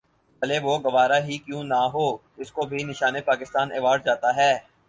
بھلے وہ گورا ہی کیوں نہ ہو اسکو بھی نشان پاکستان ایوارڈ جاتا ہے